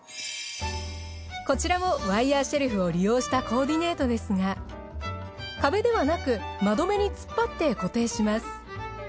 こちらもワイヤーシェルフを利用したコーディネートですが壁ではなく窓辺に突っ張って固定します。